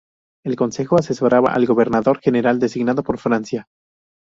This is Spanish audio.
El concejo asesoraba al gobernador general designado por Francia.